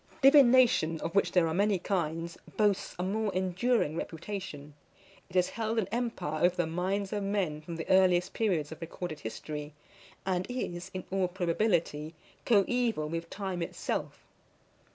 DIVINATION, of which there are many kinds, boasts a more enduring reputation. It has held an empire over the minds of men from the earliest periods of recorded history, and is, in all probability, coeval with time itself.